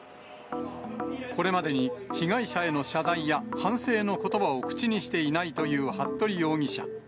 これまでに被害者への謝罪や反省のことばを口にしていないという服部容疑者。